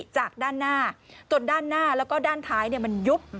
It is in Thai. จากด้านหน้าจนด้านหน้าแล้วก็ด้านท้ายมันยุบ